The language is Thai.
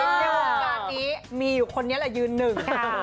ในวงการนี้มีอยู่คนนี้แหละยืนหนึ่งค่ะ